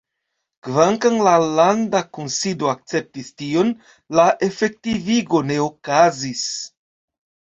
Kvankam la landa kunsido akceptis tion, la efektivigo ne okazis.